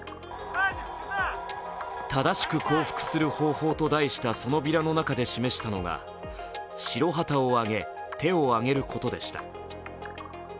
「正しく降伏する方法」と題したそのビラの中で示したのは「白旗を揚げ、手をあげる」ことでした。